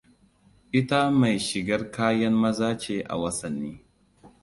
Ita mai shigar kayan maza ce a wasanni.